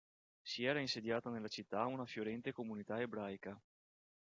Si era insediata nella città una fiorente comunità ebraica.